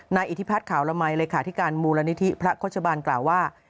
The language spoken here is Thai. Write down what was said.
อิทธิพัฒน์ขาวละมัยเลขาธิการมูลนิธิพระโฆษบาลกล่าวว่า